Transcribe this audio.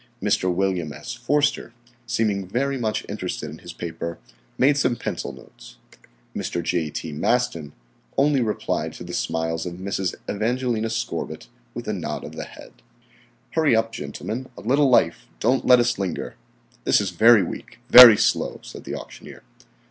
Mr. William S. Forster, seeming very much interested in his paper, made some pencil notes. Mr. J.T. Maston, only replied to the smiles of Mrs. Evangelina Scorbitt with a nod of the head. "Hurry up, gentlemen; a little life. Don't let us linger. This is very weak, very slow," said the auctioneer.